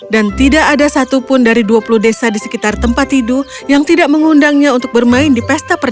dan tidak ada satupun dari dua puluh desa di sekitar tempat tidu yang tidak mengundangnya untuk bermain di pesek